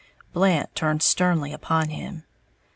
Blant turned sternly upon him.